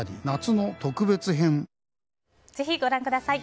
ぜひご覧ください。